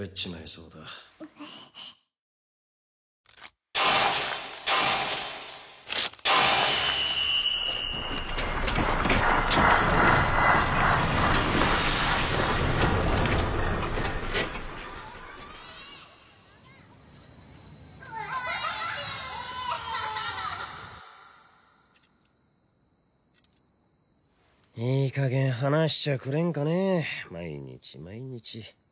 そうだいい加減話しちゃくれんかね毎日毎日